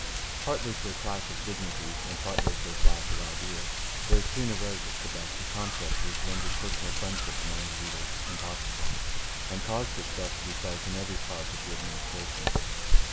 Partly through a clash of dignities and partly through a clash of ideas, there soon arose at Quebec a conflict which rendered personal friendship among the leaders impossible, and caused itself to be felt in every part of the administration.